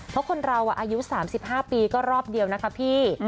เพราะคนเราอายุ๓๕ปีก็รอบเดียวนะคะพี่